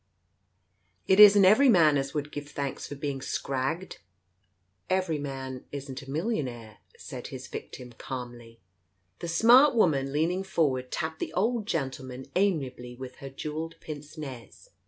"It isn't every man as would give thanks for being scragged !"" Every man isn't a millionaire," said his victim calmly. Digitized by Google 150 TALES OF THE UNEASY The smart woman, leaning forward, tapped the old gentleman amiably with her jewelled pince nez.